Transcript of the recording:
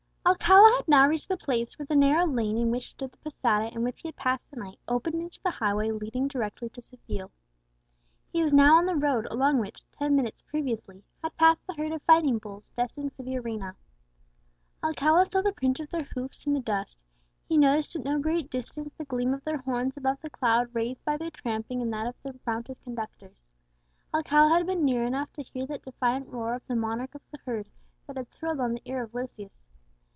Alcala had now reached the place where the narrow lane in which stood the posada in which he had passed the night opened into the highway leading directly to Seville. He was now on the road along which, ten minutes previously, had passed the herd of fighting bulls destined for the arena. Alcala saw the print of their hoofs in the dust; he noticed at no great distance the gleam of their horns above the cloud raised by their tramping and that of their mounted conductors. Alcala had been near enough to hear that defiant roar of the monarch of the herd that had thrilled on the ear of Lucius.